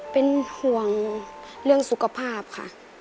เป็นห่วงเรื่องสุขภาพค่ะ